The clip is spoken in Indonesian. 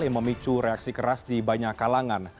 yang memicu reaksi keras di banyak kalangan